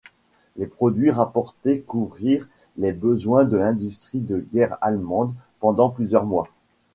Les produits rapportés couvrirent les besoins de l'industrie de guerre allemande pendant plusieurs mois.